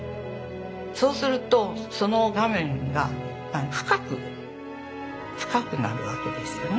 そうするとその画面が深く深くなるわけですよね。